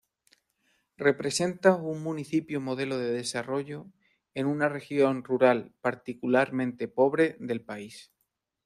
Representa un municipio modelo de desarrollo en una región rural particularmente pobre del país.